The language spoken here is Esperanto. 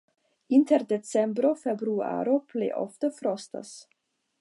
Inter decembro-februaro plej ofte frostas.